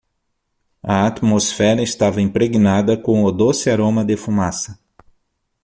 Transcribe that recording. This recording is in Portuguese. A atmosfera estava impregnada com o doce aroma de fumaça.